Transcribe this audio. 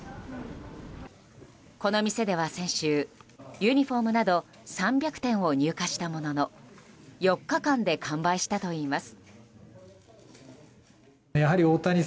この店では先週、ユニホームなど３００点を入荷したものの４日間で完売したといいます。